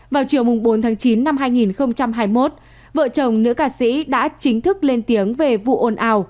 vào chiều bốn tháng chín năm hai nghìn hai mươi một vợ chồng nữ ca sĩ đã chính thức lên tiếng về vụ ồn ào